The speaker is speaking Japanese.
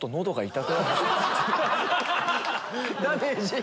ダメージ。